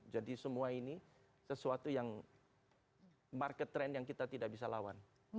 jadi semua ini sesuatu yang market trend yang kita tidak bisa lawan